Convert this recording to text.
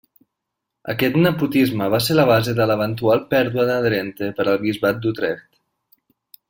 Aquest nepotisme va ser la base de l'eventual pèrdua de Drenthe per al Bisbat d'Utrecht.